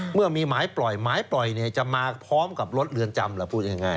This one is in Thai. เมื่อมีหมายปล่อยหมายปล่อยจะมาพร้อมกับรถเรือนจำหรือพูดง่าย